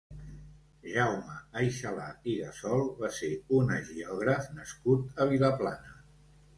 Jaume Aixalà i Gassol va ser un hagiògraf nascut a Vilaplana.